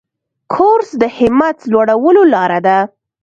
کورس د همت لوړولو لاره ده.